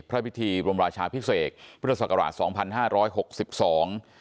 พระพิธีบรมราชาพิเศษพุทธศักราชสองพันห้าร้อยหกสิบสอง